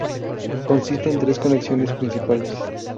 Consiste en tres conexiones principales.